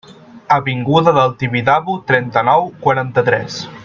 Avinguda del Tibidabo trenta-nou, quaranta-tres.